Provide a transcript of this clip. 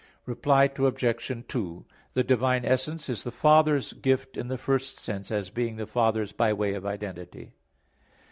Reply Obj. 2: The divine essence is the Father's gift in the first sense, as being the Father's by way of identity.